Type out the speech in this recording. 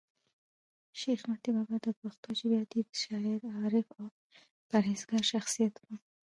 شېخ متي بابا دپښتو ژبي ادیب، شاعر، عارف او پر هېزګاره شخصیت وو.